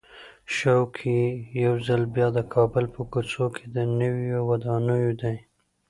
شوق یې یو ځل بیا د کابل په کوڅو کې د نویو وادونو دی.